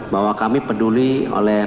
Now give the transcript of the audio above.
bahwa kami peduli oleh